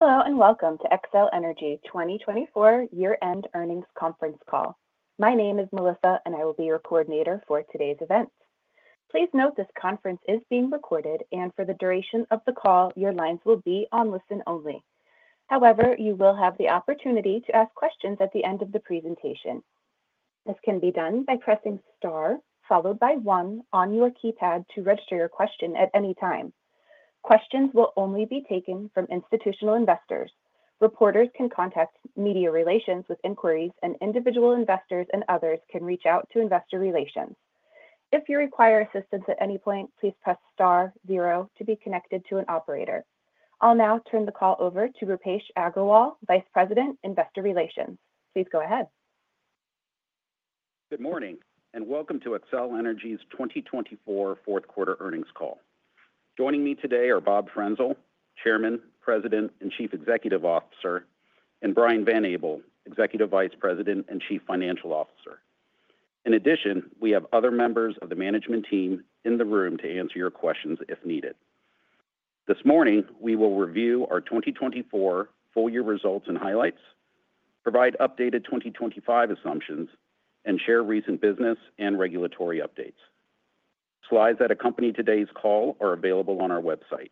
Hello, and welcome to Xcel Energy 2024 Year-End Earnings Conference Call. My name is Melissa, and I will be your coordinator for today's event. Please note this conference is being recorded, and for the duration of the call, your lines will be on listen only. However, you will have the opportunity to ask questions at the end of the presentation. This can be done by pressing star followed by one on your keypad to register your question at any time. Questions will only be taken from institutional investors. Reporters can contact media relations with inquiries, and individual investors and others can reach out to investor relations. If you require assistance at any point, please press star zero to be connected to an operator. I'll now turn the call over to Roopesh Aggarwal, Vice President, Investor Relations. Please go ahead. Good morning and welcome to Xcel Energy's 2024 Fourth Quarter Earnings Call. Joining me today are Bob Frenzel, Chairman, President, and Chief Executive Officer, and Brian Van Abel, Executive Vice President and Chief Financial Officer. In addition, we have other members of the management team in the room to answer your questions if needed. This morning, we will review our 2024 full year results and highlights, provide updated 2025 assumptions, and share recent business and regulatory updates. Slides that accompany today's call are available on our website.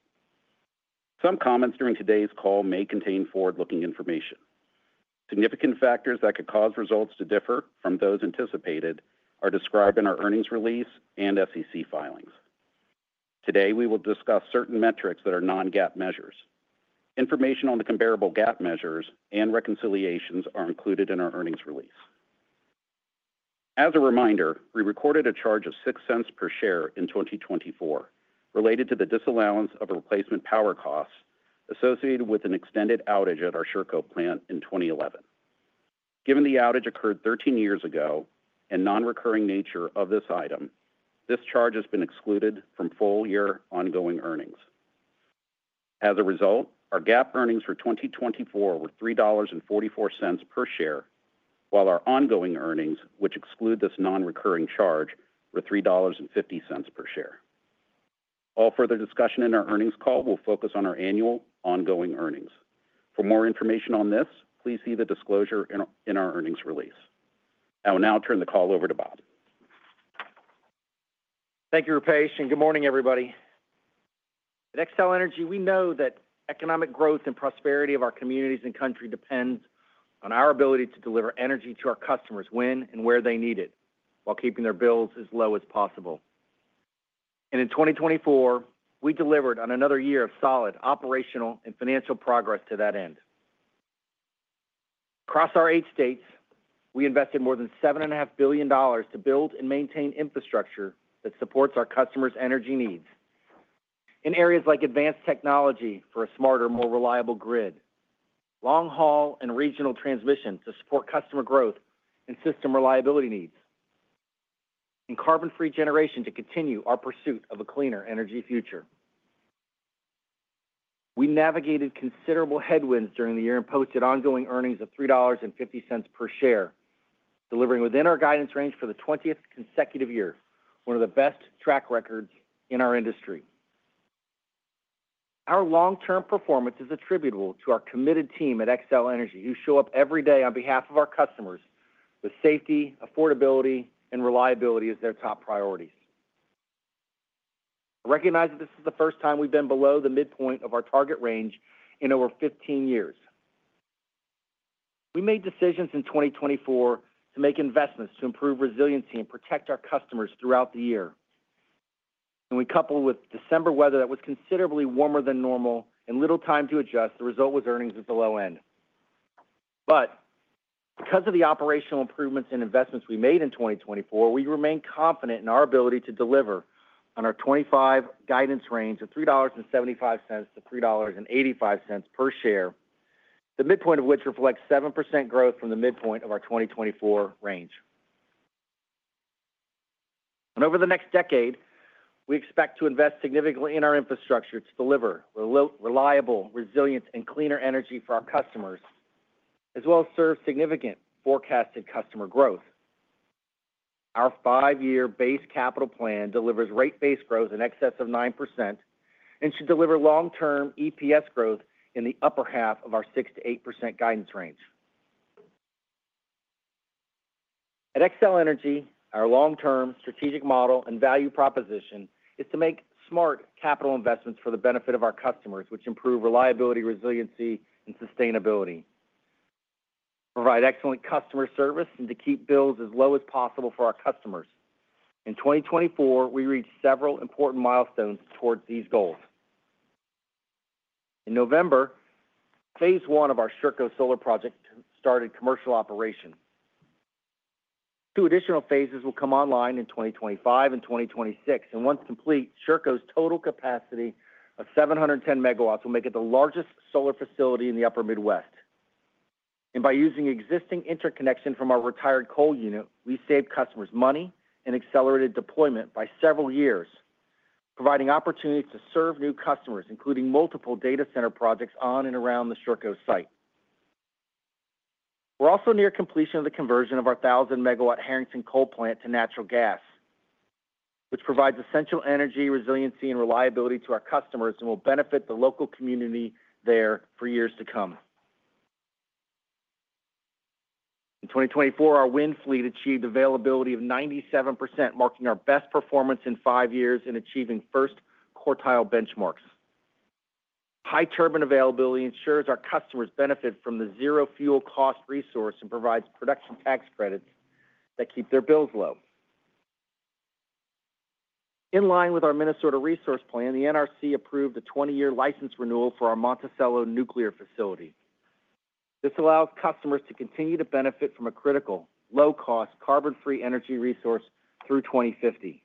Some comments during today's call may contain forward-looking information. Significant factors that could cause results to differ from those anticipated are described in our earnings release and SEC filings. Today, we will discuss certain metrics that are non-GAAP measures. Information on the comparable GAAP measures and reconciliations are included in our earnings release. As a reminder, we recorded a charge of $0.06 per share in 2024 related to the disallowance of replacement power costs associated with an extended outage at our Sherco plant in 2011. Given the outage occurred 13 years ago and non-recurring nature of this item, this charge has been excluded from full year ongoing earnings. As a result, our GAAP earnings for 2024 were $3.44 per share, while our ongoing earnings, which exclude this non-recurring charge, were $3.50 per share. All further discussion in our earnings call will focus on our annual ongoing earnings. For more information on this, please see the disclosure in our earnings release. I will now turn the call over to Bob. Thank you, Roopesh, and good morning, everybody. At Xcel Energy, we know that economic growth and prosperity of our communities and country depends on our ability to deliver energy to our customers when and where they need it while keeping their bills as low as possible, and in 2024, we delivered on another year of solid operational and financial progress to that end. Across our eight states, we invested more than $7.5 billion to build and maintain infrastructure that supports our customers' energy needs in areas like advanced technology for a smarter, more reliable grid, long-haul and regional transmission to support customer growth and system reliability needs, and carbon-free generation to continue our pursuit of a cleaner energy future. We navigated considerable headwinds during the year and posted ongoing earnings of $3.50 per share, delivering within our guidance range for the 20th consecutive year, one of the best track records in our industry. Our long-term performance is attributable to our committed team at Xcel Energy, who show up every day on behalf of our customers with safety, affordability, and reliability as their top priorities. I recognize that this is the first time we've been below the midpoint of our target range in over 15 years. We made decisions in 2024 to make investments to improve resiliency and protect our customers throughout the year. When we coupled with December weather that was considerably warmer than normal and little time to adjust, the result was earnings at the low end. But because of the operational improvements and investments we made in 2024, we remain confident in our ability to deliver on our 2025 guidance range of $3.75-$3.85 per share, the midpoint of which reflects 7% growth from the midpoint of our 2024 range. And over the next decade, we expect to invest significantly in our infrastructure to deliver reliable, resilient, and cleaner energy for our customers, as well as serve significant forecasted customer growth. Our five-year base capital plan delivers rate-based growth in excess of 9% and should deliver long-term EPS growth in the upper half of our 6%-8% guidance range. At Xcel Energy, our long-term strategic model and value proposition is to make smart capital investments for the benefit of our customers, which improve reliability, resiliency, and sustainability, provide excellent customer service, and to keep bills as low as possible for our customers. In 2024, we reached several important milestones towards these goals. In November, phase I of our Sherco solar project started commercial operation. Two additional phases will come online in 2025 and 2026, and once complete, Sherco's total capacity of 710 MW will make it the largest solar facility in the Upper Midwest. By using existing interconnection from our retired coal unit, we saved customers money and accelerated deployment by several years, providing opportunities to serve new customers, including multiple data center projects on and around the Sherco site. We're also near completion of the conversion of our 1,000-MW Harrington coal plant to natural gas, which provides essential energy, resiliency, and reliability to our customers and will benefit the local community there for years to come. In 2024, our wind fleet achieved availability of 97%, marking our best performance in five years and achieving first quartile benchmarks. High turbine availability ensures our customers benefit from the zero fuel cost resource and provides production tax credits that keep their bills low. In line with our Minnesota resource plan, the NRC approved a 20-year license renewal for our Monticello nuclear facility. This allows customers to continue to benefit from a critical, low-cost, carbon-free energy resource through 2050.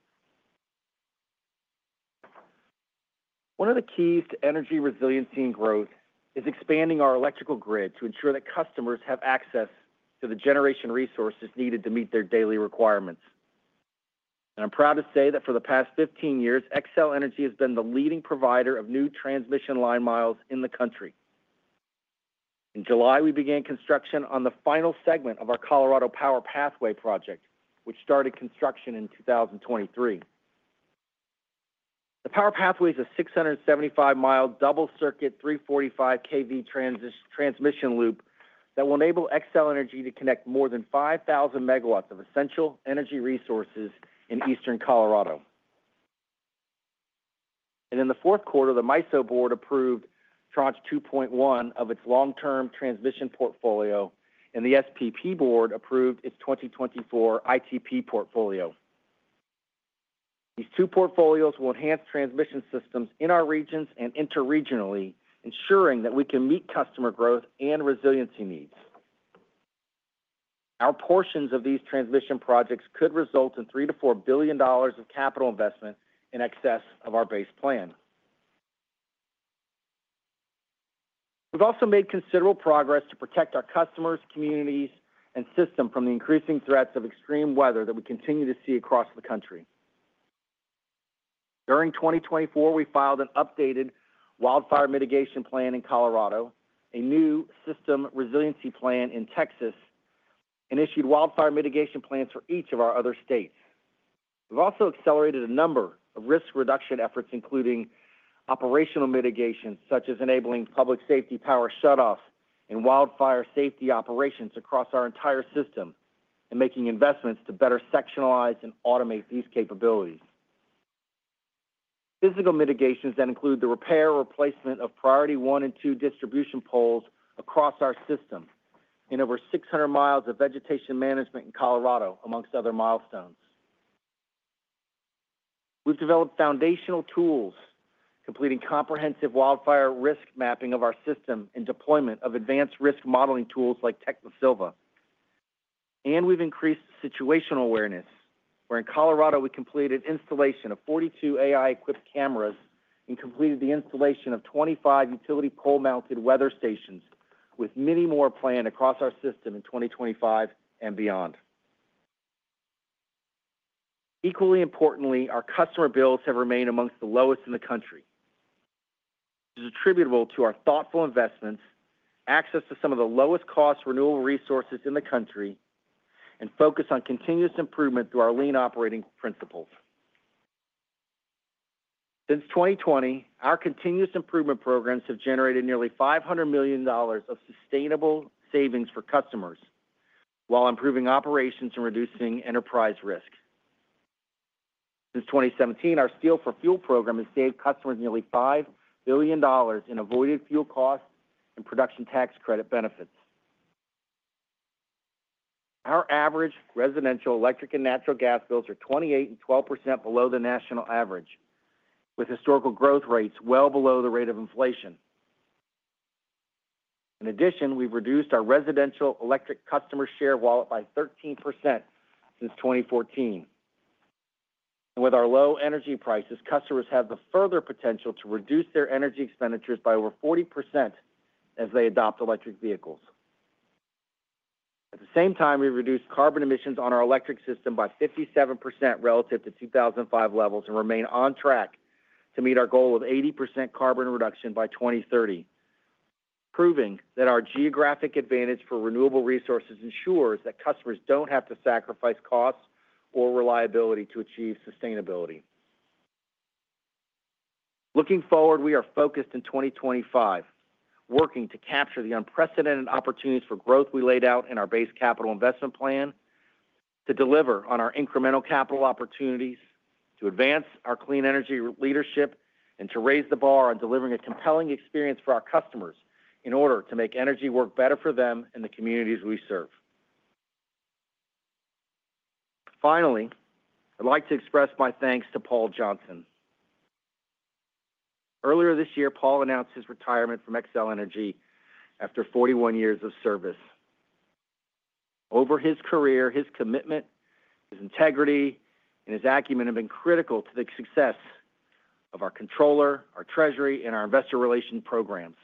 One of the keys to energy resiliency and growth is expanding our electrical grid to ensure that customers have access to the generation resources needed to meet their daily requirements. I'm proud to say that for the past 15 years, Xcel Energy has been the leading provider of new transmission line miles in the country. In July, we began construction on the final segment of our Colorado Power Pathway project, which started construction in 2023. The Power Pathway is a 675-mi double circuit 345 kV transmission loop that will enable Xcel Energy to connect more than 5,000 MW of essential energy resources in Eastern Colorado. And in the fourth quarter, the MISO board approved Tranche 2.1 of its long-term transmission portfolio, and the SPP board approved its 2024 ITP portfolio. These two portfolios will enhance transmission systems in our regions and interregionally, ensuring that we can meet customer growth and resiliency needs. Our portions of these transmission projects could result in $3 billion-$4 billion of capital investment in excess of our base plan. We've also made considerable progress to protect our customers, communities, and system from the increasing threats of extreme weather that we continue to see across the country. During 2024, we filed an updated wildfire mitigation plan in Colorado, a new system resiliency plan in Texas, and issued wildfire mitigation plans for each of our other states. We've also accelerated a number of risk reduction efforts, including operational mitigation, such as enabling public safety power shutoffs and wildfire safety operations across our entire system and making investments to better sectionalize and automate these capabilities. Physical mitigations that include the repair or replacement of priority one and two distribution poles across our system and over 600 mi of vegetation management in Colorado, among other milestones. We've developed foundational tools, completing comprehensive wildfire risk mapping of our system and deployment of advanced risk modeling tools like Technosylva. We've increased situational awareness, where in Colorado we completed installation of 42 AI-equipped cameras and completed the installation of 25 utility pole-mounted weather stations, with many more planned across our system in 2025 and beyond. Equally importantly, our customer bills have remained among the lowest in the country. This is attributable to our thoughtful investments, access to some of the lowest cost renewable resources in the country, and focus on continuous improvement through our lean operating principles. Since 2020, our continuous improvement programs have generated nearly $500 million of sustainable savings for customers while improving operations and reducing enterprise risk. Since 2017, our Steel for Fuel program has saved customers nearly $5 billion in avoided fuel costs and production tax credit benefits. Our average residential electric and natural gas bills are 28% and 12% below the national average, with historical growth rates well below the rate of inflation. In addition, we've reduced our residential electric customer share wallet by 13% since 2014. And with our low energy prices, customers have the further potential to reduce their energy expenditures by over 40% as they adopt electric vehicles. At the same time, we've reduced carbon emissions on our electric system by 57% relative to 2005 levels and remain on track to meet our goal of 80% carbon reduction by 2030, proving that our geographic advantage for renewable resources ensures that customers don't have to sacrifice costs or reliability to achieve sustainability. Looking forward, we are focused in 2025, working to capture the unprecedented opportunities for growth we laid out in our base capital investment plan, to deliver on our incremental capital opportunities, to advance our clean energy leadership, and to raise the bar on delivering a compelling experience for our customers in order to make energy work better for them and the communities we serve. Finally, I'd like to express my thanks to Paul Johnson. Earlier this year, Paul announced his retirement from Xcel Energy after 41 years of service. Over his career, his commitment, his integrity, and his acumen have been critical to the success of our controller, our treasury, and our investor relations programs.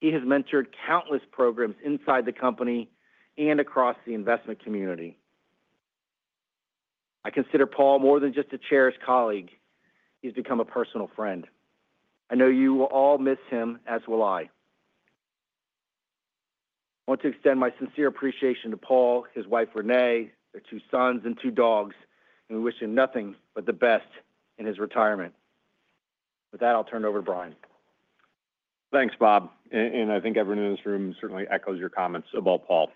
He has mentored countless programs inside the company and across the investment community. I consider Paul more than just a chair's colleague. He's become a personal friend. I know you will all miss him, as will I. I want to extend my sincere appreciation to Paul, his wife Renee, their two sons, and two dogs, and we wish him nothing but the best in his retirement. With that, I'll turn it over to Brian. Thanks, Bob. And I think everyone in this room certainly echoes your comments about Paul.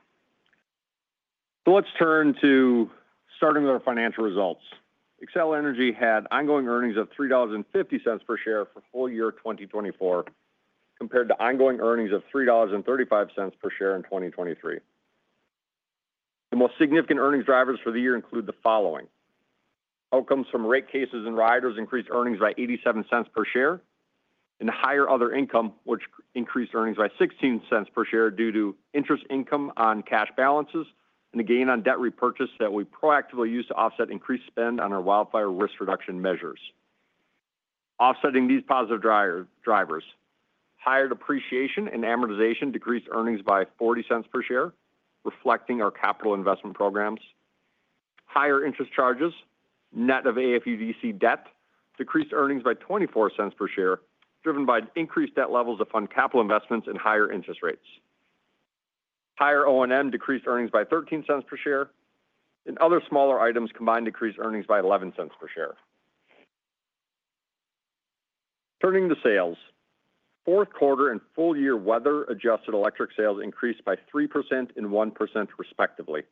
So let's turn to starting with our financial results. Xcel Energy had ongoing earnings of $3.50 per share for full year 2024, compared to ongoing earnings of $3.35 per share in 2023. The most significant earnings drivers for the year include the following: outcomes from rate cases and riders increased earnings by $0.87 per share, and higher other income, which increased earnings by $0.16 per share due to interest income on cash balances and a gain on debt repurchase that we proactively used to offset increased spend on our wildfire risk reduction measures. Offsetting these positive drivers, higher depreciation and amortization decreased earnings by $0.40 per share, reflecting our capital investment programs. Higher interest charges, net of AFUDC debt, decreased earnings by $0.24 per share, driven by increased debt levels to fund capital investments and higher interest rates. Higher O&M decreased earnings by $0.13 per share, and other smaller items combined decreased earnings by $0.11 per share. Turning to sales, fourth quarter and full year weather adjusted electric sales increased by 3% and 1% respectively,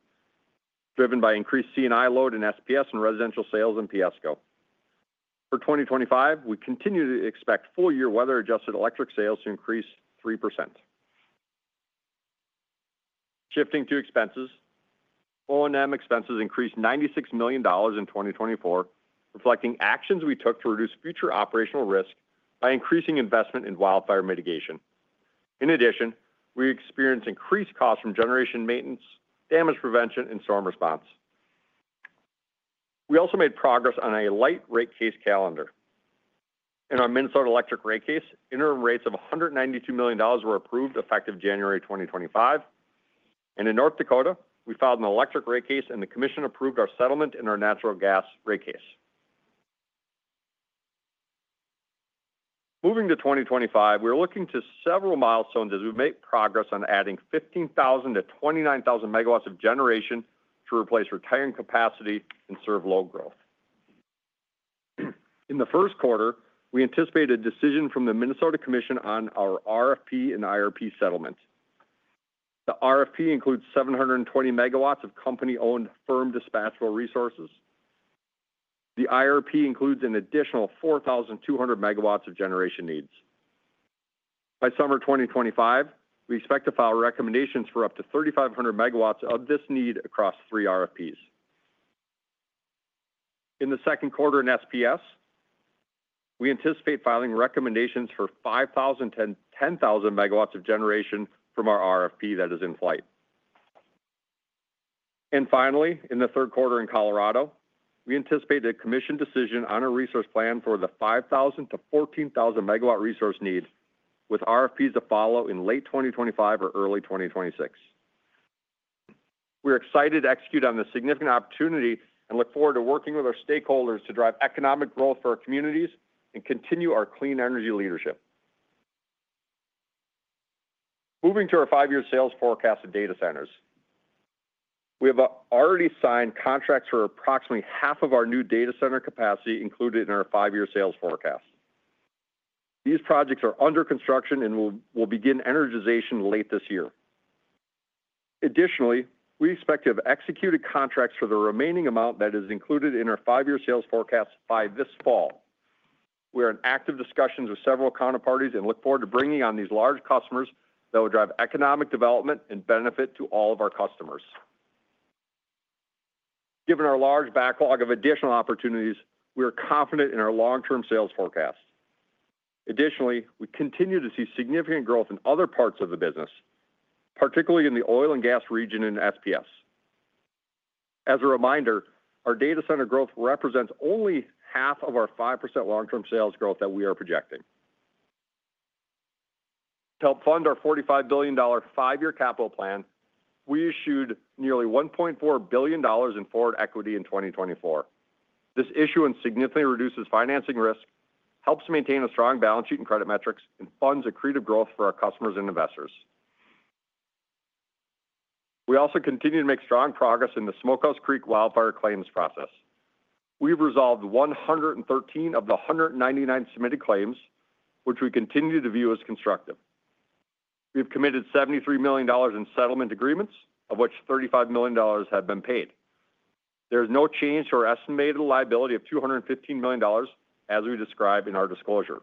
driven by increased C&I load in SPS and residential sales in PSCo. For 2025, we continue to expect full year weather adjusted electric sales to increase 3%. Shifting to expenses, O&M expenses increased $96 million in 2024, reflecting actions we took to reduce future operational risk by increasing investment in wildfire mitigation. In addition, we experienced increased costs from generation maintenance, damage prevention, and storm response. We also made progress on a light rate case calendar. In our Minnesota electric rate case, interim rates of $192 million were approved, effective January 2025, and in North Dakota, we filed an electric rate case, and the commission approved our settlement in our natural gas rate case. Moving to 2025, we are looking to several milestones as we make progress on adding 15,000-29,000 MW of generation to replace retiring capacity and serve load growth. In the first quarter, we anticipate a decision from the Minnesota Commission on our RFP and IRP settlement. The RFP includes 720 MW of company-owned firm dispatchable resources. The IRP includes an additional 4,200 MW of generation needs. By summer 2025, we expect to file recommendations for up to 3,500 MW of this need across three RFPs. In the second quarter in SPS, we anticipate filing recommendations for 5,000-10,000 MW of generation from our RFP that is in flight. And finally, in the third quarter in Colorado, we anticipate a commission decision on a resource plan for the 5,000-14,000 MW resource need, with RFPs to follow in late 2025 or early 2026. We're excited to execute on this significant opportunity and look forward to working with our stakeholders to drive economic growth for our communities and continue our clean energy leadership. Moving to our five-year sales forecast of data centers. We have already signed contracts for approximately half of our new data center capacity included in our five-year sales forecast. These projects are under construction and will begin energization late this year. Additionally, we expect to have executed contracts for the remaining amount that is included in our five-year sales forecast by this fall. We are in active discussions with several counterparties and look forward to bringing on these large customers that will drive economic development and benefit to all of our customers. Given our large backlog of additional opportunities, we are confident in our long-term sales forecast. Additionally, we continue to see significant growth in other parts of the business, particularly in the oil and gas region in SPS. As a reminder, our data center growth represents only half of our 5% long-term sales growth that we are projecting. To help fund our $45 billion five-year capital plan, we issued nearly $1.4 billion in forward equity in 2024. This issuance significantly reduces financing risk, helps maintain a strong balance sheet and credit metrics, and funds accretive growth for our customers and investors. We also continue to make strong progress in the Smokehouse Creek wildfire claims process. We've resolved 113 of the 199 submitted claims, which we continue to view as constructive. We have committed $73 million in settlement agreements, of which $35 million have been paid. There is no change to our estimated liability of $215 million, as we describe in our disclosure.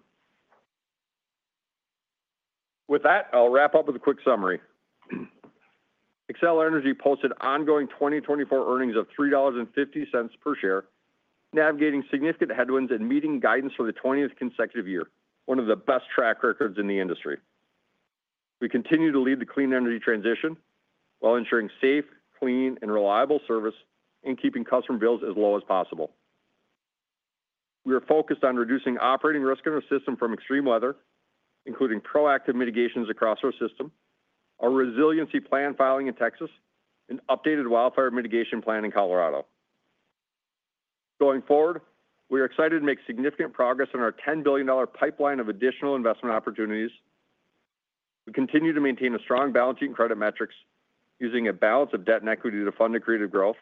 With that, I'll wrap up with a quick summary. Xcel Energy posted ongoing 2024 earnings of $3.50 per share, navigating significant headwinds and meeting guidance for the 20th consecutive year, one of the best track records in the industry. We continue to lead the clean energy transition while ensuring safe, clean, and reliable service and keeping customer bills as low as possible. We are focused on reducing operating risk in our system from extreme weather, including proactive mitigations across our system, our resiliency plan filing in Texas, and updated wildfire mitigation plan in Colorado. Going forward, we are excited to make significant progress in our $10 billion pipeline of additional investment opportunities. We continue to maintain a strong balance sheet and credit metrics, using a balance of debt and equity to fund accretive growth.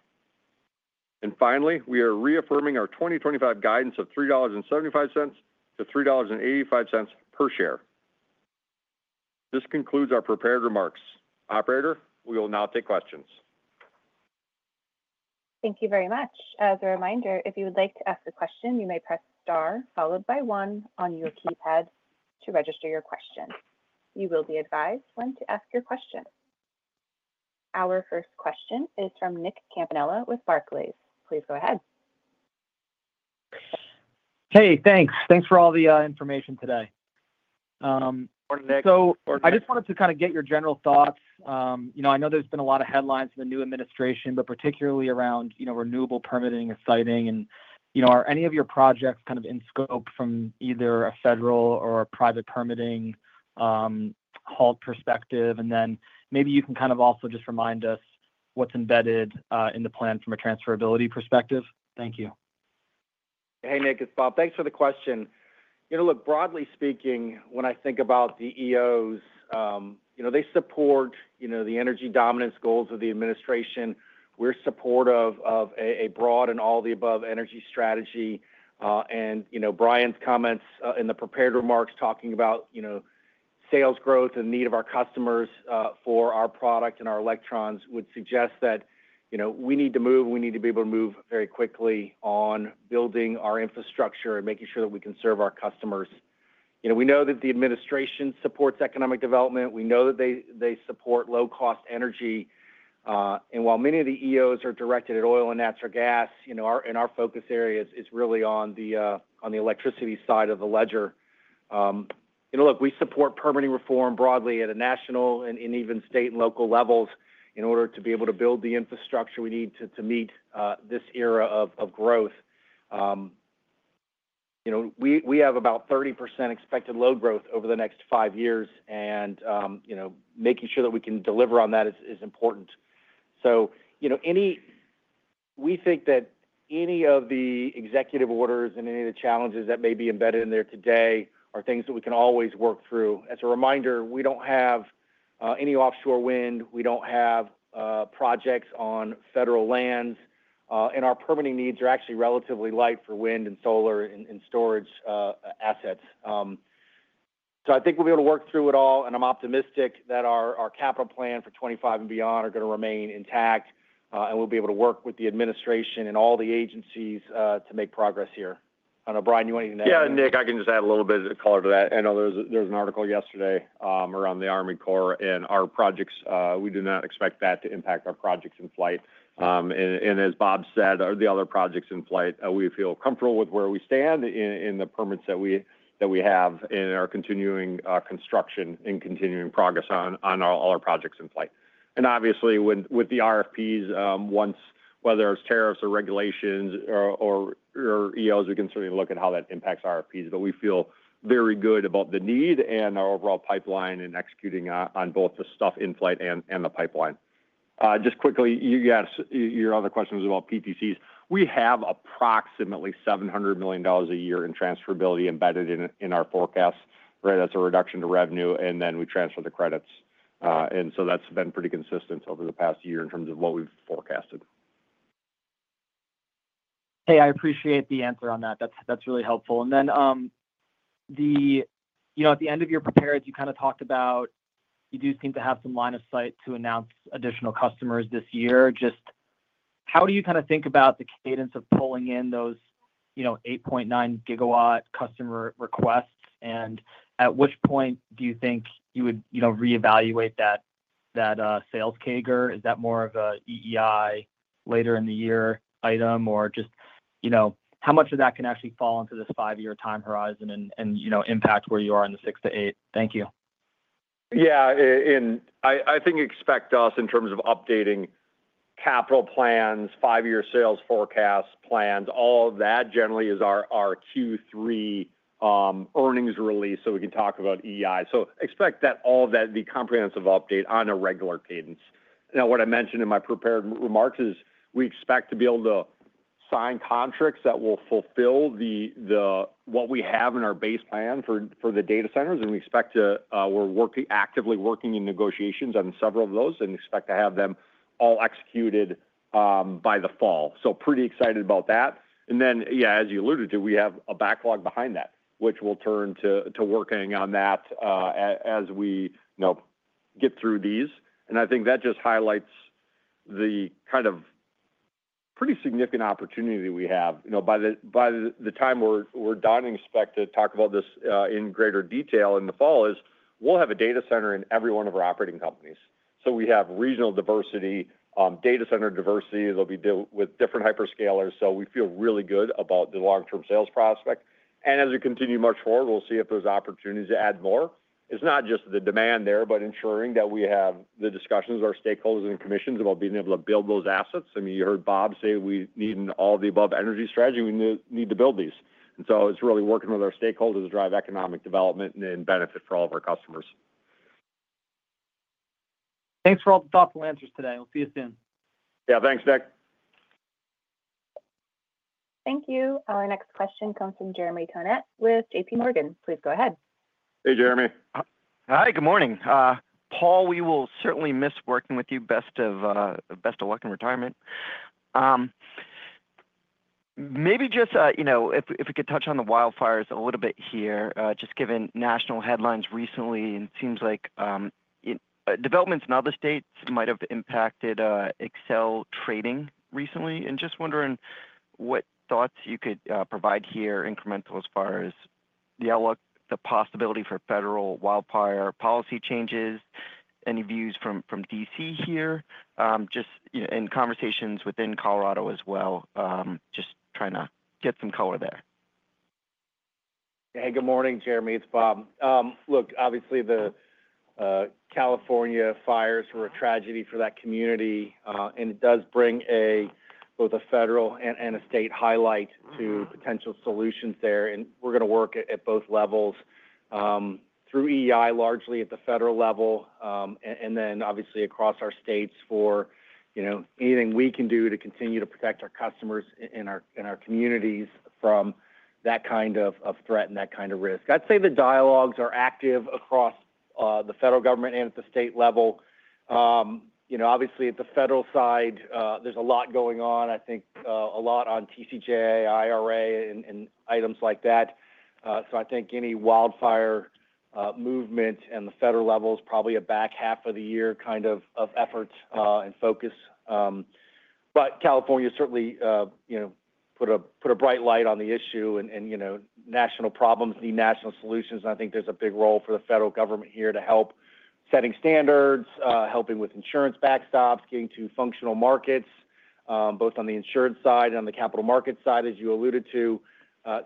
Finally, we are reaffirming our 2025 guidance of $3.75-$3.85 per share. This concludes our prepared remarks. Operator, we will now take questions. Thank you very much. As a reminder, if you would like to ask a question, you may press star followed by one on your keypad to register your question. You will be advised when to ask your question. Our first question is from Nick Campanella with Barclays. Please go ahead. Hey, thanks. Thanks for all the information today, so I just wanted to kind of get your general thoughts, you know. I know there's been a lot of headlines in the new administration, but particularly around, you know, renewable permitting and siting, and you know, are any of your projects kind of in scope from either a federal or a private permitting halt perspective? And then maybe you can kind of also just remind us what's embedded in the plan from a transferability perspective. Thank you. Hey, Nick, it's Bob. Thanks for the question. You know, look, broadly speaking, when I think about the EOs, you know, they support, you know, the energy dominance goals of the administration. We're supportive of a broad and all the above energy strategy. And, you know, Brian's comments in the prepared remarks talking about, you know, sales growth and need of our customers for our product and our electrons would suggest that, you know, we need to move, and we need to be able to move very quickly on building our infrastructure and making sure that we can serve our customers. You know, we know that the administration supports economic development. We know that they support low-cost energy. And while many of the EOs are directed at oil and natural gas, you know, our focus area is really on the electricity side of the ledger. You know, look, we support permitting reform broadly at a national and even state and local levels in order to be able to build the infrastructure we need to meet this era of growth. You know, we have about 30% expected load growth over the next five years, and, you know, making sure that we can deliver on that is important. So, you know, we think that any of the executive orders and any of the challenges that may be embedded in there today are things that we can always work through. As a reminder, we don't have any offshore wind. We don't have projects on federal lands. And our permitting needs are actually relatively light for wind and solar and storage assets. So I think we'll be able to work through it all, and I'm optimistic that our capital plan for 2025 and beyond are going to remain intact. And we'll be able to work with the administration and all the agencies to make progress here. I don't know, Brian, you want to add anything? Yeah, Nick, I can just add a little bit of color to that. I know there was an article yesterday around the Army Corps and our projects. We do not expect that to impact our projects in flight. And as Bob said, the other projects in flight, we feel comfortable with where we stand in the permits that we have and our continuing construction and continuing progress on all our projects in flight. And obviously, with the RFPs, once whether it's tariffs or regulations or EOs, we can certainly look at how that impacts RFPs. But we feel very good about the need and our overall pipeline and executing on both the stuff in flight and the pipeline. Just quickly, your other question was about PTCs. We have approximately $700 million a year in transferability embedded in our forecast, right? That's a reduction to revenue. And then we transfer the credits. And so, that's been pretty consistent over the past year in terms of what we've forecasted. Hey, I appreciate the answer on that. That's really helpful. And then, you know, at the end of your prepared, you kind of talked about you do seem to have some line of sight to announce additional customers this year. Just how do you kind of think about the cadence of pulling in those, you know, 8.9 GW customer requests? And at which point do you think you would, you know, reevaluate that sales CAGR? Is that more of an EEI later in the year item? Or just, you know, how much of that can actually fall into this five-year time horizon and, you know, impact where you are in the six to eight years? Thank you. Yeah, and I think expect us in terms of updating capital plans, five-year sales forecast plans. All of that generally is our Q3 earnings release, so we can talk about EEI, so expect that all of that to be a comprehensive update on a regular cadence. Now, what I mentioned in my prepared remarks is we expect to be able to sign contracts that will fulfill what we have in our base plan for the data centers, and we expect to. We're actively working in negotiations on several of those and expect to have them all executed by the fall, so pretty excited about that, and then, yeah, as you alluded to, we have a backlog behind that, which we'll turn to working on that as we, you know, get through these, and I think that just highlights the kind of pretty significant opportunity that we have. You know, by the time we're done, I expect to talk about this in greater detail in the fall, as we'll have a data center in every one of our operating companies. So we have regional diversity, data center diversity. There'll be deals with different hyperscalers. So we feel really good about the long-term sales prospects. And as we continue to move forward, we'll see if there's opportunities to add more. It's not just the demand there, but ensuring that we have the discussions with our stakeholders and commissions about being able to build those assets. I mean, you heard Bob say we need all the above energy strategy. We need to build these. And so it's really working with our stakeholders to drive economic development and benefits for all of our customers. Thanks for all the thoughtful answers today. We'll see you soon. Yeah, thanks, Nick. Thank you. Our next question comes from Jeremy Tonet with JPMorgan. Please go ahead. Hey, Jeremy. Hi, good morning. Paul, we will certainly miss working with you. Best of luck in retirement. Maybe just, you know, if we could touch on the wildfires a little bit here, just given national headlines recently, and it seems like developments in other states might have impacted Xcel trading recently. And just wondering what thoughts you could provide here, incremental as far as the outlook, the possibility for federal wildfire policy changes, any views from D.C. here, just, you know, in conversations within Colorado as well, just trying to get some color there. Hey, good morning, Jeremy. It's Bob. Look, obviously the California fires were a tragedy for that community. And it does bring both a federal and a state highlight to potential solutions there. And we're going to work at both levels through EEI, largely at the federal level, and then obviously across our states for, you know, anything we can do to continue to protect our customers and our communities from that kind of threat and that kind of risk. I'd say the dialogues are active across the federal government and at the state level. You know, obviously at the federal side, there's a lot going on. I think a lot on TCJA, IRA, and items like that. So I think any wildfire movement at the federal level is probably a back half of the year kind of effort and focus. But California certainly, you know, put a bright light on the issue and, you know, national problems need national solutions. And I think there's a big role for the federal government here to help setting standards, helping with insurance backstops, getting to functional markets, both on the insurance side and on the capital market side, as you alluded to.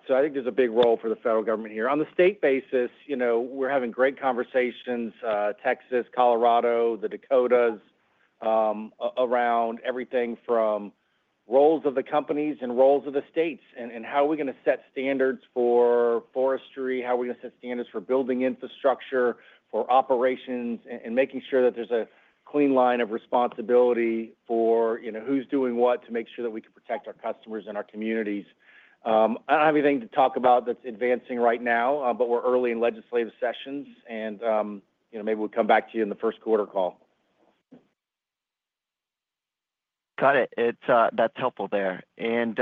So I think there's a big role for the federal government here. On the state basis, you know, we're having great conversations, Texas, Colorado, the Dakotas, around everything from roles of the companies and roles of the states and how are we going to set standards for forestry, how are we going to set standards for building infrastructure, for operations, and making sure that there's a clean line of responsibility for, you know, who's doing what to make sure that we can protect our customers and our communities. I don't have anything to talk about that's advancing right now, but we're early in legislative sessions, and, you know, maybe we'll come back to you in the first quarter call. Got it. That's helpful there. And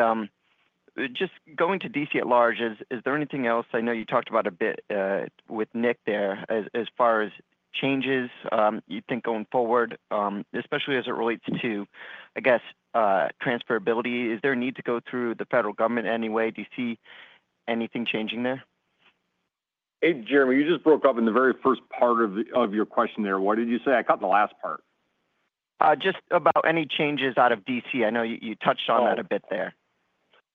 just going to D.C. at large, is there anything else? I know you talked about a bit with Nick there as far as changes you think going forward, especially as it relates to, I guess, transferability. Is there a need to go through the federal government anyway? Do you see anything changing there? Hey, Jeremy, you just broke up in the very first part of your question there. What did you say? I caught the last part. Just about any changes out of D.C. I know you touched on that a bit there.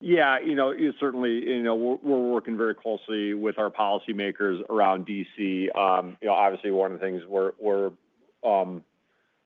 Yeah. You know, certainly, you know, we're working very closely with our policymakers around D.C. You know, obviously one of the things we're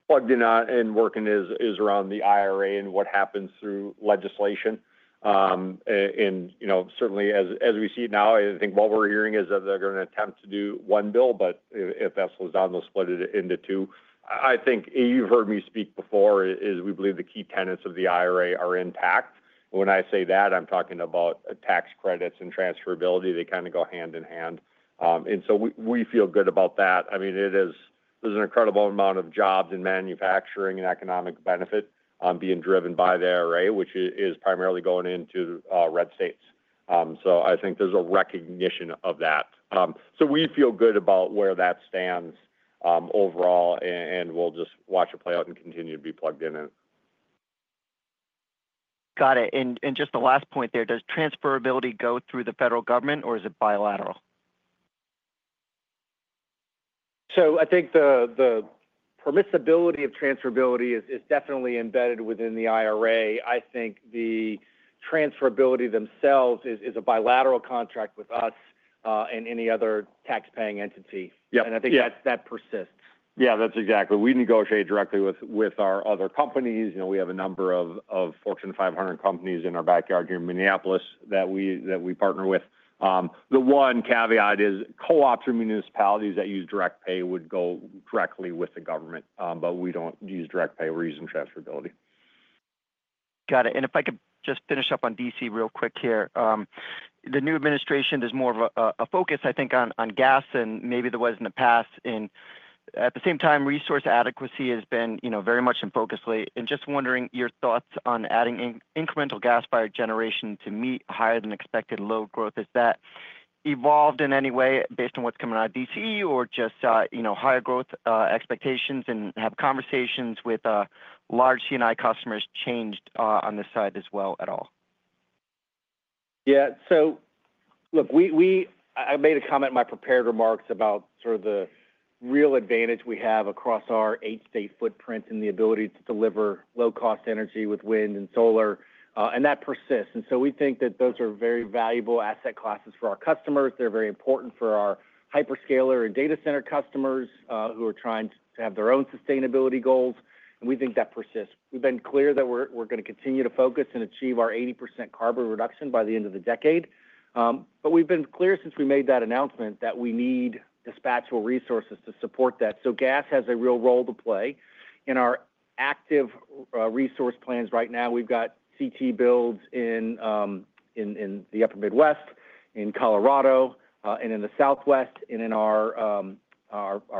plugging on and working is around the IRA and what happens through legislation. You know, certainly as we see it now, I think what we're hearing is that they're going to attempt to do one bill, but if that slows down, they'll split it into two. I think you've heard me speak before is we believe the key tenets of the IRA are intact. When I say that, I'm talking about tax credits and transferability. They kind of go hand in hand. So we feel good about that. I mean, it is. There's an incredible amount of jobs in manufacturing and economic benefit being driven by the IRA, which is primarily going into red states. I think there's a recognition of that. So we feel good about where that stands overall, and we'll just watch it play out and continue to be plugged in. Got it. And just the last point there, does transferability go through the federal government or is it bilateral? So I think the permissibility of transferability is definitely embedded within the IRA. I think the transferability themselves is a bilateral contract with us and any other taxpaying entity. And I think that persists. Yeah, that's exactly. We negotiate directly with our other companies. You know, we have a number of Fortune 500 companies in our backyard here in Minneapolis that we partner with. The one caveat is co-ops or municipalities that use direct pay would go directly with the government, but we don't use direct pay or use in transferability. Got it. And if I could just finish up on D.C. real quick here. The new administration, there's more of a focus, I think, on gas than maybe there was in the past. And at the same time, resource adequacy has been, you know, very much in focus lately. And just wondering your thoughts on adding incremental gas-fired generation to meet higher than expected load growth. Has that evolved in any way based on what's coming out of D.C. or just, you know, higher growth expectations and have conversations with large C&I customers changed on this side as well at all? Yeah. So look, I made a comment in my prepared remarks about sort of the real advantage we have across our eight-state footprint and the ability to deliver low-cost energy with wind and solar. And that persists. And so we think that those are very valuable asset classes for our customers. They're very important for our hyperscaler and data center customers who are trying to have their own sustainability goals. And we think that persists. We've been clear that we're going to continue to focus and achieve our 80% carbon reduction by the end of the decade. But we've been clear since we made that announcement that we need dispatchable resources to support that. So gas has a real role to play in our active resource plans right now. We've got CT builds in the Upper Midwest, in Colorado, and in the Southwest, and in our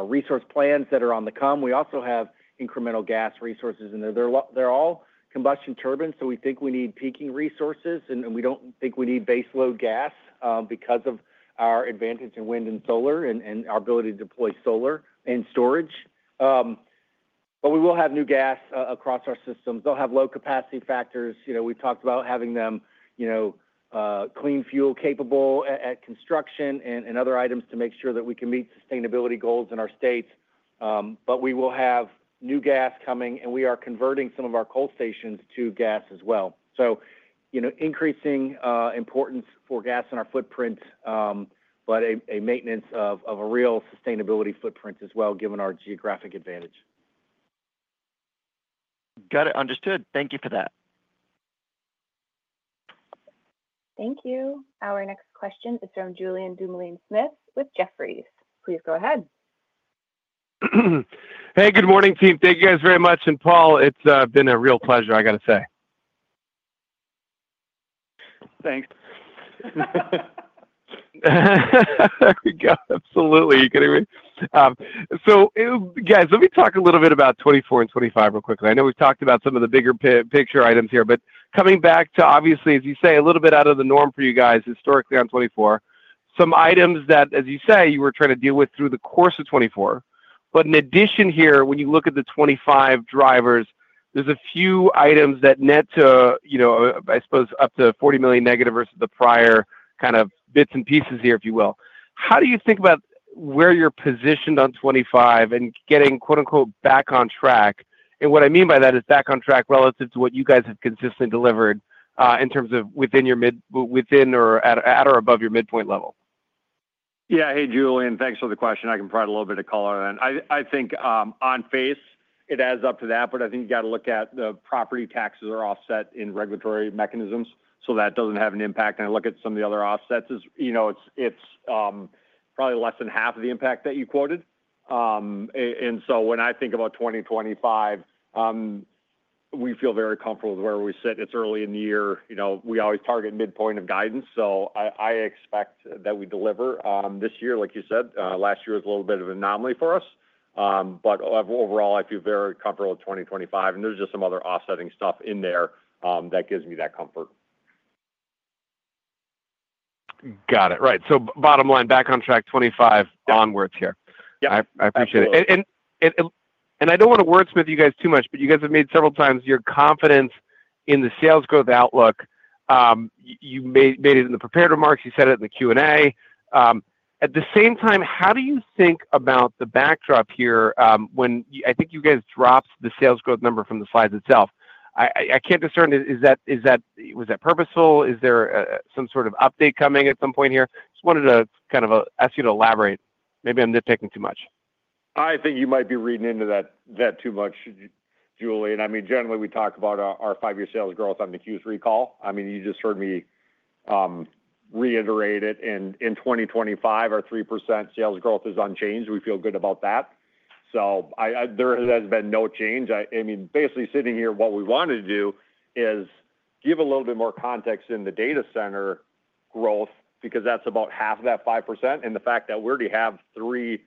resource plans that are on the come. We also have incremental gas resources in there. They're all combustion turbines. So we think we need peaking resources. We don't think we need base load gas because of our advantage in wind and solar and our ability to deploy solar and storage. We will have new gas across our systems. They'll have low capacity factors. You know, we've talked about having them, you know, clean fuel capable at construction and other items to make sure that we can meet sustainability goals in our states. We will have new gas coming. We are converting some of our coal stations to gas as well. You know, increasing importance for gas in our footprint, but a maintenance of a real sustainability footprint as well, given our geographic advantage. Got it. Understood. Thank you for that. Thank you. Our next question is from Julien Dumoulin-Smith with Jefferies. Please go ahead. Hey, good morning, team. Thank you guys very much. And Paul, it's been a real pleasure, I got to say. Thanks. There we go. Absolutely. You can hear me? So guys, let me talk a little bit about 2024 and 2025 real quickly. I know we've talked about some of the bigger picture items here, but coming back to obviously, as you say, a little bit out of the norm for you guys historically on 2024, some items that, as you say, you were trying to deal with through the course of 2024. But in addition here, when you look at the 2025 drivers, there's a few items that net to, you know, I suppose up to $40 million negative versus the prior kind of bits and pieces here, if you will. How do you think about where you're positioned on 2025 and getting "back on track"? What I mean by that is back on track relative to what you guys have consistently delivered in terms of within or at or above your midpoint level. Yeah. Hey, Julien, thanks for the question. I can provide a little bit of color on that. I think on face, it adds up to that. But I think you got to look at the property taxes are offset in regulatory mechanisms. So that doesn't have an impact. And I look at some of the other offsets is, you know, it's probably less than half of the impact that you quoted. And so when I think about 2025, we feel very comfortable with where we sit. It's early in the year. You know, we always target midpoint of guidance. So I expect that we deliver this year, like you said. Last year was a little bit of an anomaly for us. But overall, I feel very comfortable with 2025. And there's just some other offsetting stuff in there that gives me that comfort. Got it. Right. So, bottom line, back on track 2025 onwards here. Yep. I appreciate it. And I don't want to wordsmith you guys too much, but you guys have made several times your confidence in the sales growth outlook. You made it in the prepared remarks. You said it in the Q&A. At the same time, how do you think about the backdrop here when I think you guys dropped the sales growth number from the slides itself? I can't discern. Was that purposeful? Is there some sort of update coming at some point here? Just wanted to kind of ask you to elaborate. Maybe I'm nitpicking too much. I think you might be reading into that too much, Julien. I mean, generally, we talk about our five-year sales growth on the Q3 call. I mean, you just heard me reiterate it. And in 2025, our 3% sales growth is unchanged. We feel good about that. So there has been no change. I mean, basically sitting here, what we wanted to do is give a little bit more context in the data center growth because that's about half of that 5%. And the fact that we already have three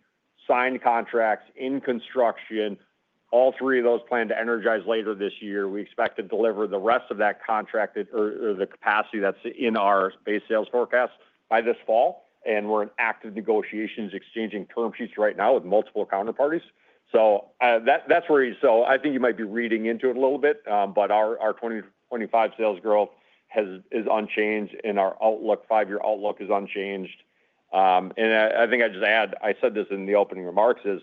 signed contracts in construction, all three of those planned to energize later this year. We expect to deliver the rest of that contract or the capacity that's in our base sales forecast by this fall. And we're in active negotiations exchanging term sheets right now with multiple counterparties. So that's where you, I think, you might be reading into it a little bit. But our 2025 sales growth is unchanged, and our outlook, five-year outlook, is unchanged. And I think I just add, I said this in the opening remarks is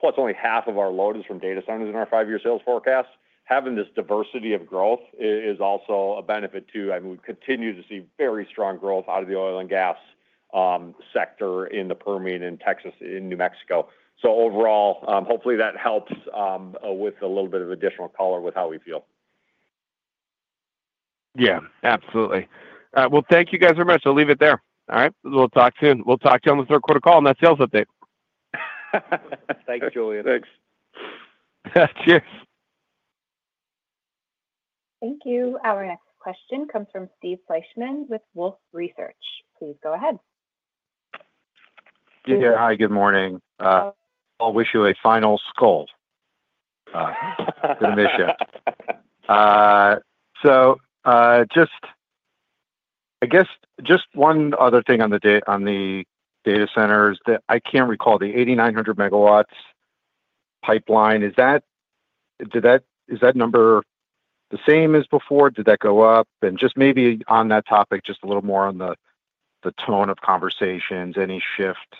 plus only half of our load is from data centers in our five-year sales forecast. Having this diversity of growth is also a benefit too. I mean, we continue to see very strong growth out of the oil and gas sector in the Permian, in Texas, and in New Mexico. So overall, hopefully that helps with a little bit of additional color with how we feel. Yeah. Absolutely. All right. Well, thank you guys very much. I'll leave it there. All right. We'll talk soon. We'll talk to you on the third quarter call on that sales update. Thanks, Julien. Thanks. Cheers. Thank you. Our next question comes from Steve Fleischman with Wolfe Research. Please go ahead. Yeah. Hi, good morning. I'll wish you a final Skol. Good to miss you. So just I guess just one other thing on the data centers that I can't recall, the 8,900 MW pipeline, is that number the same as before? Did that go up? And just maybe on that topic, just a little more on the tone of conversations, any shift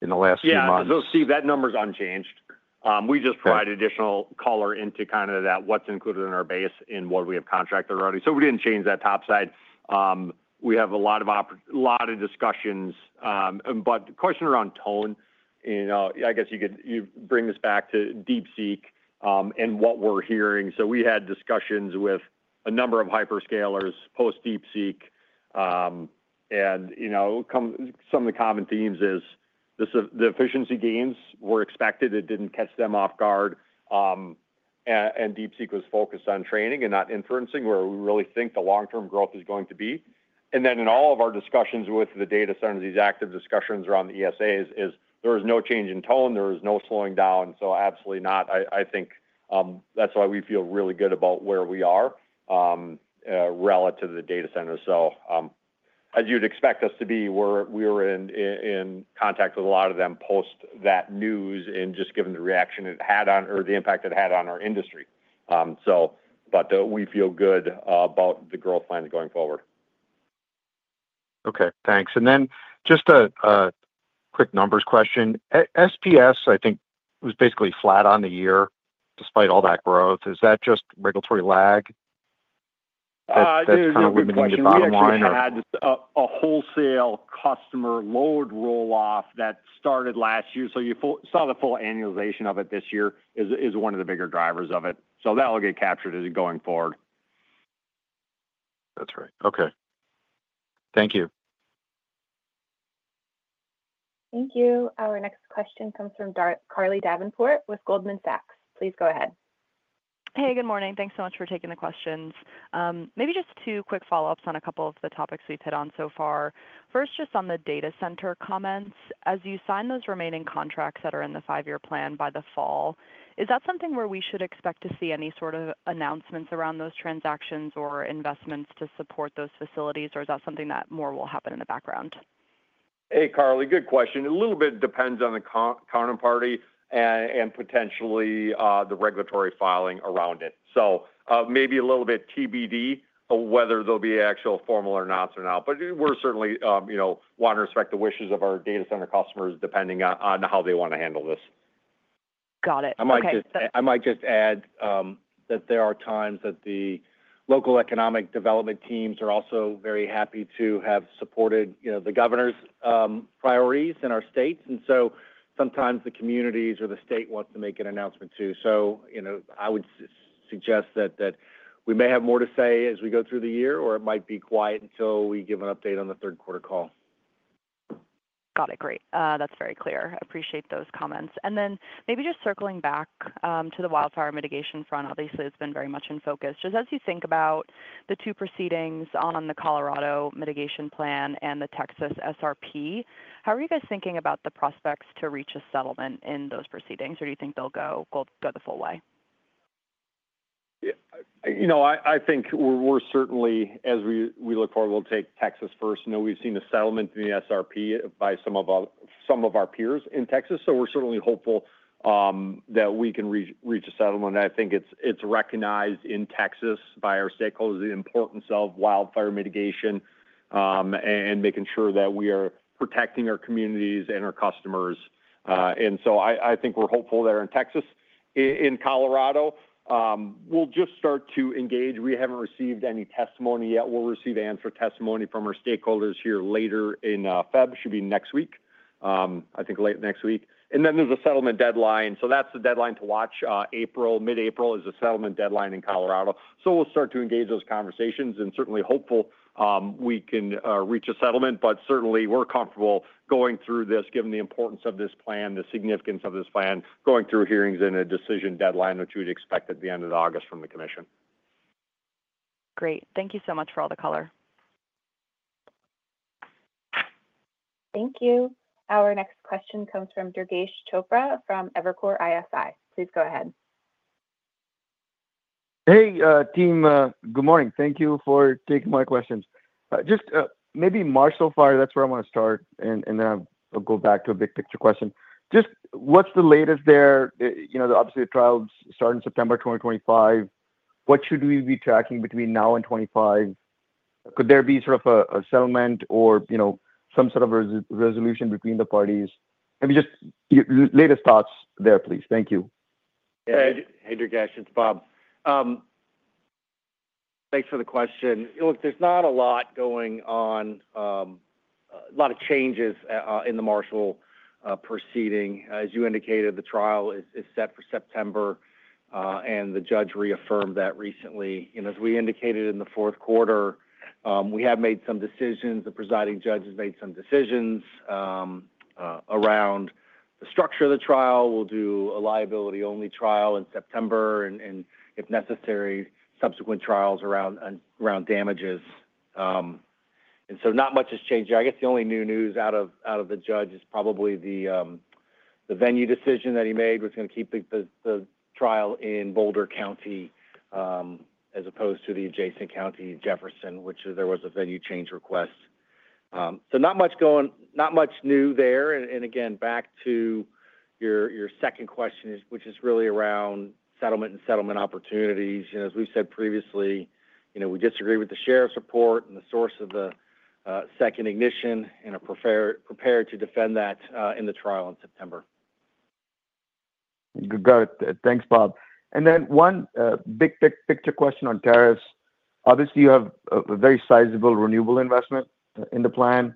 in the last few months? Yeah. So Steve, that number is unchanged. We just provided additional color into kind of that what's included in our base and what we have contracted already. So we didn't change that top side. We have a lot of discussions. But question around tone, you know, I guess you could bring this back to DeepSeek and what we're hearing. So we had discussions with a number of hyperscalers post-DeepSeek. And, you know, some of the common themes is the efficiency gains were expected. It didn't catch them off guard. And DeepSeek was focused on training and not inferencing where we really think the long-term growth is going to be. And then in all of our discussions with the data centers, these active discussions around the ESAs is there is no change in tone. There is no slowing down. So absolutely not. I think that's why we feel really good about where we are relative to the data centers. So as you'd expect us to be, we were in contact with a lot of them post that news and just given the reaction it had on, or the impact it had on, our industry. So but we feel good about the growth plan going forward. Okay. Thanks. And then just a quick numbers question. SPS, I think was basically flat on the year despite all that growth. Is that just regulatory lag? I think we've been in the bottom line or just a wholesale customer load roll-off that started last year. So you saw the full annualization of it this year is one of the bigger drivers of it. So that'll get captured as it going forward. That's right. Okay. Thank you. Thank you. Our next question comes from Carly Davenport with Goldman Sachs. Please go ahead. Hey, good morning. Thanks so much for taking the questions. Maybe just two quick follow-ups on a couple of the topics we've hit on so far. First, just on the data center comments. As you sign those remaining contracts that are in the five-year plan by the fall, is that something where we should expect to see any sort of announcements around those transactions or investments to support those facilities, or is that something that more will happen in the background? Hey, Carly, good question. A little bit depends on the counterparty and potentially the regulatory filing around it. So maybe a little bit TBD of whether there'll be an actual formal announcement now. But we're certainly, you know, want to respect the wishes of our data center customers depending on how they want to handle this. Got it. Okay. I might just add that there are times that the local economic development teams are also very happy to have supported, you know, the governor's priorities in our states. And so sometimes the communities or the state wants to make an announcement too. So, you know, I would suggest that we may have more to say as we go through the year, or it might be quiet until we give an update on the third quarter call. Got it. Great. That's very clear. I appreciate those comments. And then maybe just circling back to the wildfire mitigation front, obviously it's been very much in focus. Just as you think about the two proceedings on the Colorado mitigation plan and the Texas SRP, how are you guys thinking about the prospects to reach a settlement in those proceedings, or do you think they'll go the full way? You know, I think we're certainly, as we look forward, we'll take Texas first. You know, we've seen a settlement in the SRP by some of our peers in Texas. So we're certainly hopeful that we can reach a settlement. I think it's recognized in Texas by our stakeholders the importance of wildfire mitigation and making sure that we are protecting our communities and our customers. And so I think we're hopeful there in Texas. In Colorado, we'll just start to engage. We haven't received any testimony yet. We'll receive answer testimony from our stakeholders here later in February. It should be next week, I think late next week. And then there's a settlement deadline. So that's the deadline to watch. April, mid-April is a settlement deadline in Colorado. So we'll start to engage those conversations and certainly hopeful we can reach a settlement. But certainly we're comfortable going through this given the importance of this plan, the significance of this plan, going through hearings and a decision deadline, which we'd expect at the end of August from the commission. Great. Thank you so much for all the color. Thank you. Our next question comes from Durgesh Chopra from Evercore ISI. Please go ahead. Hey, team. Good morning. Thank you for taking my questions. Just maybe Marshall Fire, that's where I want to start. And then I'll go back to a big picture question. Just what's the latest there? You know, obviously the trials start in September 2025. What should we be tracking between now and 2025? Could there be sort of a settlement or, you know, some sort of resolution between the parties? Maybe just latest thoughts there, please. Thank you. Hey, Durgesh. It's Bob. Thanks for the question. Look, there's not a lot going on, a lot of changes in the Marshall proceeding. As you indicated, the trial is set for September, and the judge reaffirmed that recently. And as we indicated in the fourth quarter, we have made some decisions. The presiding judge has made some decisions around the structure of the trial. We'll do a liability-only trial in September and, if necessary, subsequent trials around damages. And so not much has changed. I guess the only new news out of the judge is probably the venue decision that he made was going to keep the trial in Boulder County as opposed to the adjacent county, Jefferson, which there was a venue change request. So not much going, not much new there. And again, back to your second question, which is really around settlement and settlement opportunities. As we've said previously, you know, we disagree with the sheriff's report and the source of the second ignition and are prepared to defend that in the trial in September. Good. Thanks, Bob, and then one big picture question on tariffs. Obviously, you have a very sizable renewable investment in the plan,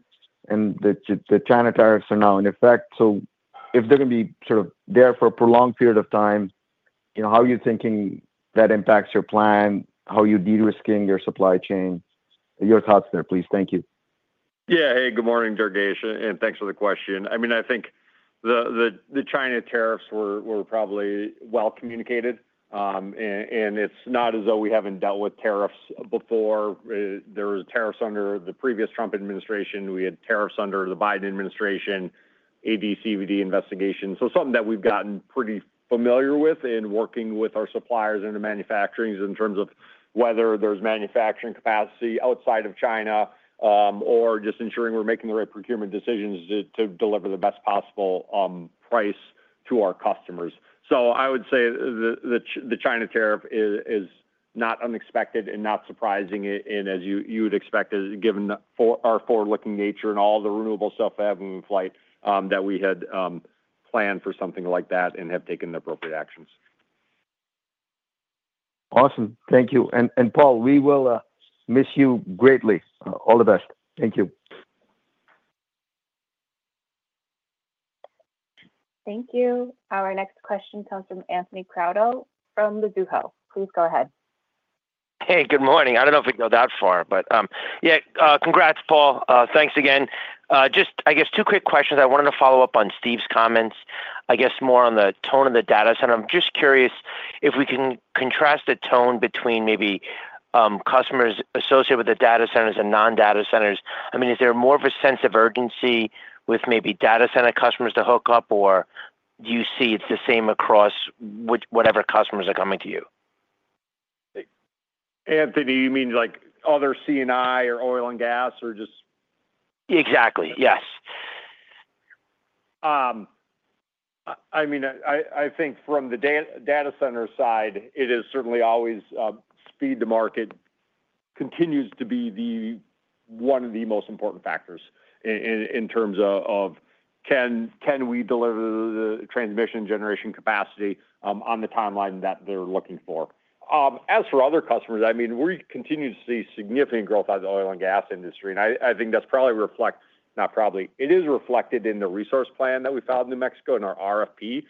and the China tariffs are now in effect, so if they're going to be sort of there for a prolonged period of time, you know, how are you thinking that impacts your plan, how are you de-risking your supply chain? Your thoughts there, please. Thank you. Yeah. Hey, good morning, Durgesh. And thanks for the question. I mean, I think the China tariffs were probably well communicated. And it's not as though we haven't dealt with tariffs before. There were tariffs under the previous Trump administration. We had tariffs under the Biden administration, AD/CVD investigation. So something that we've gotten pretty familiar with in working with our suppliers and the manufacturers in terms of whether there's manufacturing capacity outside of China or just ensuring we're making the right procurement decisions to deliver the best possible price to our customers. So I would say the China tariff is not unexpected and not surprising. And as you would expect, given our forward-looking nature and all the renewable stuff that happened in flight, that we had planned for something like that and have taken the appropriate actions. Awesome. Thank you, and Paul, we will miss you greatly. All the best. Thank you. Thank you. Our next question comes from Anthony Crowdell from Mizuho. Please go ahead. Hey, good morning. I don't know if we can go that far, but yeah, congrats, Paul. Thanks again. Just I guess two quick questions. I wanted to follow up on Steve's comments, I guess more on the tone of the data center. I'm just curious if we can contrast the tone between maybe customers associated with the data centers and non-data centers. I mean, is there more of a sense of urgency with maybe data center customers to hook up, or do you see it's the same across whatever customers are coming to you? Anthony, you mean like other C&I or oil and gas or just? Exactly. Yes. I mean, I think from the data center side, it is certainly always speed to market continues to be one of the most important factors in terms of can we deliver the transmission generation capacity on the timeline that they're looking for. As for other customers, I mean, we continue to see significant growth out of the oil and gas industry. I think that's probably reflect, not probably, it is reflected in the resource plan that we filed in New Mexico and our RFP.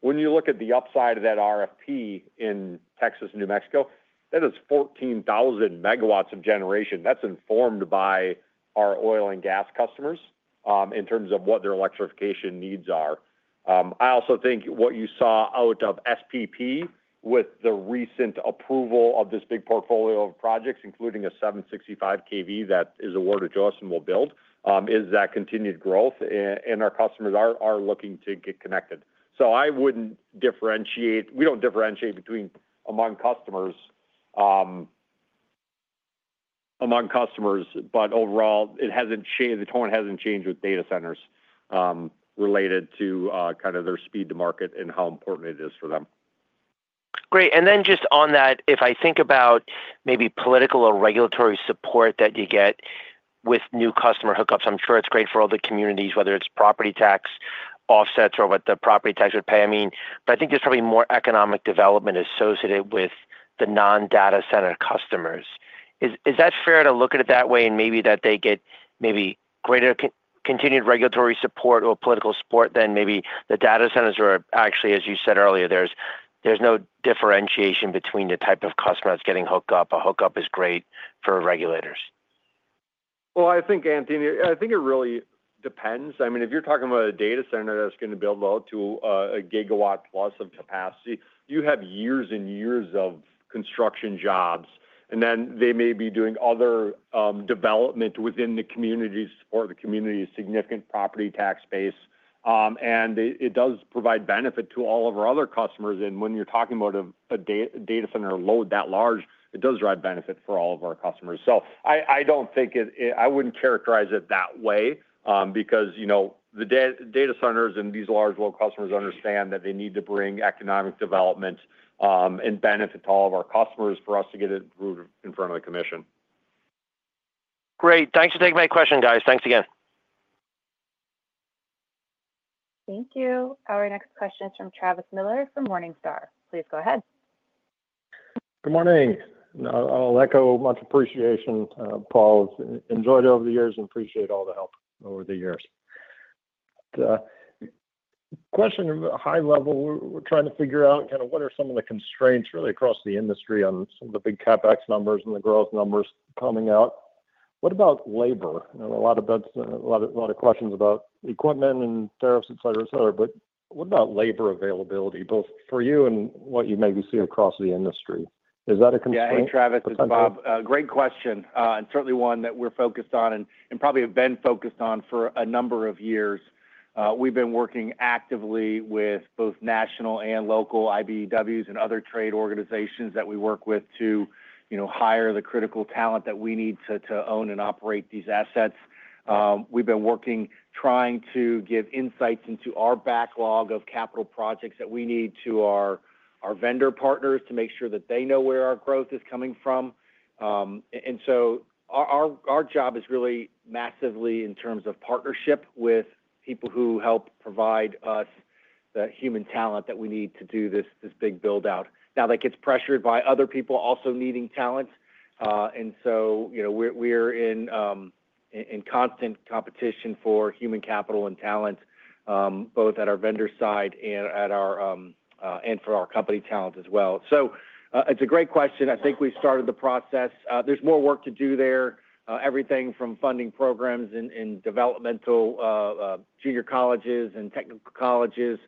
When you look at the upside of that RFP in Texas and New Mexico, that is 14,000 MW of generation. That's informed by our oil and gas customers in terms of what their electrification needs are. I also think what you saw out of SPP with the recent approval of this big portfolio of projects, including a 765 kV that is awarded to us and we'll build, is that continued growth. And our customers are looking to get connected. So I wouldn't differentiate, we don't differentiate between among customers, but overall, it hasn't shaded the tone, hasn't changed with data centers related to kind of their speed to market and how important it is for them. Great. And then just on that, if I think about maybe political or regulatory support that you get with new customer hookups, I'm sure it's great for all the communities, whether it's property tax offsets or what the property tax would pay. I mean, but I think there's probably more economic development associated with the non-data center customers. Is that fair to look at it that way and maybe that they get maybe greater continued regulatory support or political support than maybe the data centers or actually, as you said earlier, there's no differentiation between the type of customer that's getting hooked up? A hookup is great for regulators. I think, Anthony, I think it really depends. I mean, if you're talking about a data center that's going to build out to a gigawatt plus of capacity, you have years and years of construction jobs. And then they may be doing other development within the community to support the community's significant property tax base. And it does provide benefit to all of our other customers. And when you're talking about a data center load that large, it does drive benefit for all of our customers. So I don't think it, I wouldn't characterize it that way because, you know, the data centers and these large world customers understand that they need to bring economic development and benefit to all of our customers for us to get it approved in front of the commission. Great. Thanks for taking my question, guys. Thanks again. Thank you. Our next question is from Travis Miller from Morningstar. Please go ahead. Good morning. I'll echo much appreciation, Paul. I've enjoyed over the years and appreciate all the help over the years. At a high level, we're trying to figure out kind of what are some of the constraints really across the industry on some of the big CapEx numbers and the growth numbers coming out. What about labor? A lot of questions about equipment and tariffs, et cetera, et cetera, but what about labor availability, both for you and what you maybe see across the industry? Is that a constraint? Yeah. Hey, Travis, it's Bob. Great question, and certainly one that we're focused on and probably have been focused on for a number of years. We've been working actively with both national and local IBEWs and other trade organizations that we work with to, you know, hire the critical talent that we need to own and operate these assets. We've been working trying to give insights into our backlog of capital projects that we need to our vendor partners to make sure that they know where our growth is coming from. And so our job is really massively in terms of partnership with people who help provide us the human talent that we need to do this big buildout. Now that gets pressured by other people also needing talent. And so, you know, we're in constant competition for human capital and talent, both at our vendor side and for our company talent as well. So it's a great question. I think we started the process. There's more work to do there. Everything from funding programs in developmental junior colleges and technical colleges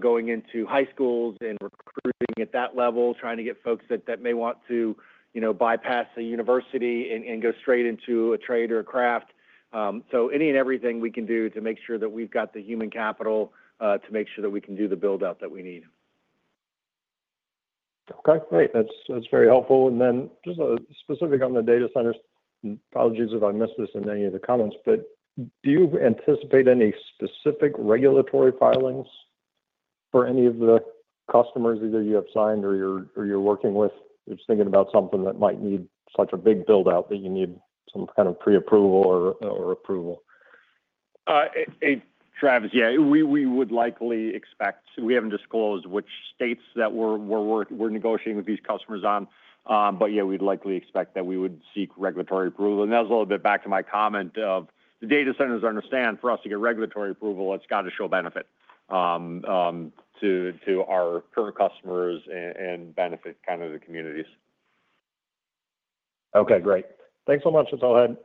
going into high schools and recruiting at that level, trying to get folks that may want to, you know, bypass a university and go straight into a trade or a craft. So any and everything we can do to make sure that we've got the human capital to make sure that we can do the buildout that we need. Okay. Great. That's very helpful. And then just specific on the data centers, apologies if I missed this in any of the comments, but do you anticipate any specific regulatory filings for any of the customers either you have signed or you're working with? Just thinking about something that might need such a big buildout that you need some kind of pre-approval or approval. Hey, Travis, yeah, we would likely expect. We haven't disclosed which states that we're negotiating with these customers on, but yeah, we'd likely expect that we would seek regulatory approval. And that's a little bit back to my comment of the data centers understand for us to get regulatory approval. It's got to show benefit to our current customers and benefit kind of the communities. Okay. Great. Thanks so much. That's all I had.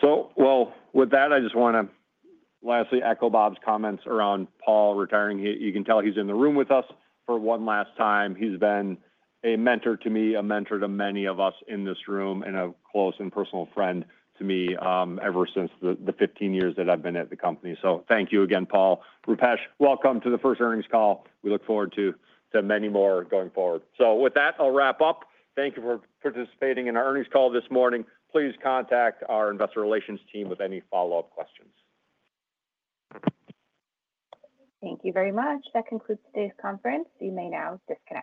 So, well, with that, I just want to lastly echo Bob's comments around Paul retiring. You can tell he's in the room with us for one last time. He's been a mentor to me, a mentor to many of us in this room, and a close and personal friend to me ever since the 15 years that I've been at the company. So thank you again, Paul. Roopesh, welcome to the first earnings call. We look forward to many more going forward. So with that, I'll wrap up. Thank you for participating in our earnings call this morning. Please contact our investor relations team with any follow-up questions. Thank you very much. That concludes today's conference. You may now disconnect.